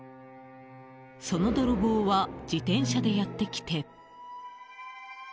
その泥棒は自転車でやってきて。